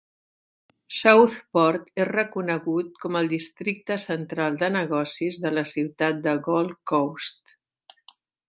Southport és reconegut com el districte central de negocis de la ciutat de Gold Coast.